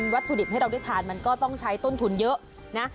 วัตถุดิบให้เราได้ทานมันก็ต้องใช้ต้นทุนเยอะนะ